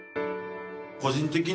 個人的に。